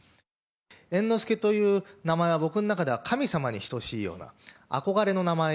猿之助という名前は僕の中では神様に等しいような、憧れの名前。